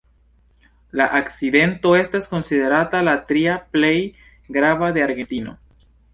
La akcidento estas konsiderata la tria plej grava de Argentino.